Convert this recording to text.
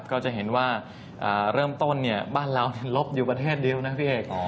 ก็จะเห็นว่าเริ่มต้นบ้านเราลบอยู่ประเทศเดียวนะพี่เอก